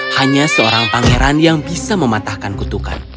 hanya seorang pangeran yang bisa mematahkan kutukan